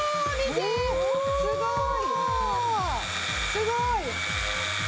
すごーい！